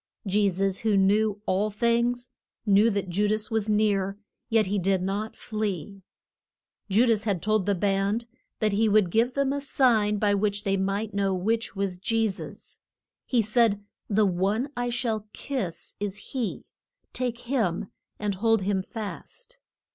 Je sus, who knew all things, knew that Ju das was near, yet he did not flee. Ju das had told the band that he would give them a sign by which they might know which was Je sus. He said, The one I shall kiss, is he; take him, and hold him fast.